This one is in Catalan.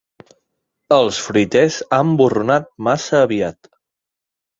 Els fruiters han borronat massa aviat.